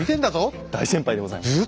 大先輩でございます。